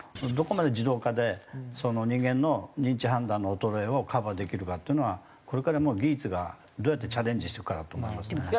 どこまで自動化でその人間の認知判断の衰えをカバーできるかっていうのはこれからもう技術がどうやってチャレンジしていくかだと思いますね。